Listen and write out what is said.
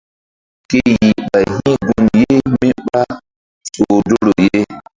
Ke yih ɓay hi̧ gun ye mí ɓá soh doro ye.